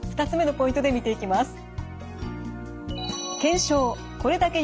２つ目のポイントで見ていきます。